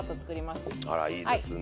あらいいですね。